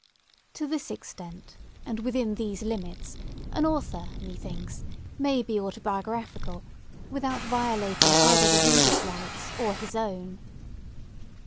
To this extent, and within these limits, an author, methinks, may be autobiographical, without violating either the reader's rights or his own.